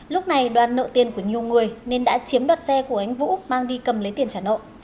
lúc này đoàn nợ tiền của nhiều người nên đã chiếm đoạt xe của anh vũ mang đi cầm lấy tiền trả nợ